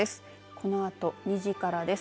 このあと２時からです。